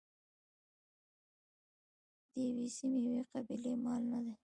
د یوې سیمې یوې قبیلې مال نه دی.